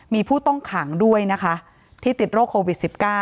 มีผู้ต้องขังด้วยนะคะที่ติดโรคโควิด๑๙